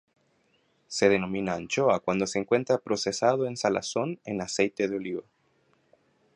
Se denomina anchoa cuando se encuentra procesado en salazón en aceite de oliva.